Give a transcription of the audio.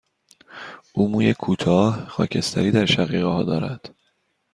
او موی کوتاه، خاکستری در شقیقه ها دارد.